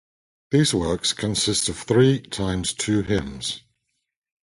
These works consist of three times two hymns.